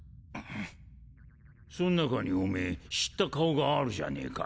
そん中におめぇ知った顔があるじゃねえか。